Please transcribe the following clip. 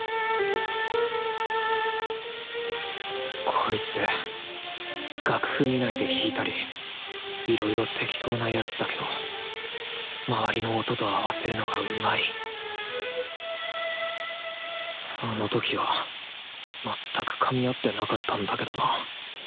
こいつ楽譜見ないで弾いたりいろいろテキトーな奴だけど周りの音と合わせるのがうまいあの時は全くかみ合ってなかったんだけどな。